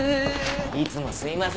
いつもすいません。